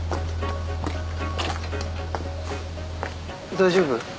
大丈夫？